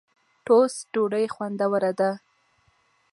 ټوسټ ډوډۍ خوندوره ده.